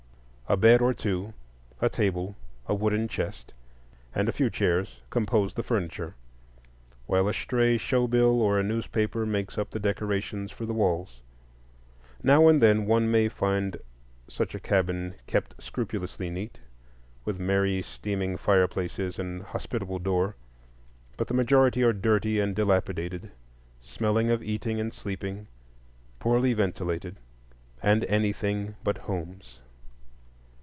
A bed or two, a table, a wooden chest, and a few chairs compose the furniture; while a stray show bill or a newspaper makes up the decorations for the walls. Now and then one may find such a cabin kept scrupulously neat, with merry steaming fireplaces and hospitable door; but the majority are dirty and dilapidated, smelling of eating and sleeping, poorly ventilated, and anything but homes.